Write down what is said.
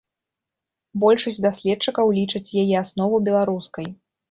Большасць даследчыкаў лічаць яе аснову беларускай.